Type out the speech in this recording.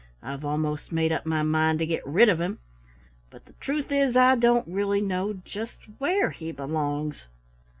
"I've almost made up my mind to get rid of him, but the truth is I don't really know just where he belongs."